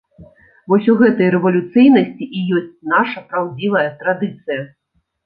Вось у гэтай рэвалюцыйнасці і ёсць наша праўдзівая традыцыя.